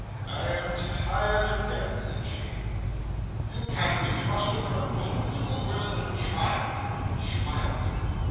"I am tired to death," said she. "You can't be trusted for a moment. You are worse than a child. Child!